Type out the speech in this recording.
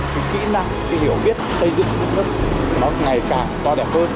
thì kỹ năng cái hiểu biết xây dựng nước nước nó ngày càng to đẹp hơn